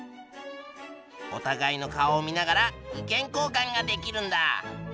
おたがいの顔を見ながら意見交換ができるんだ。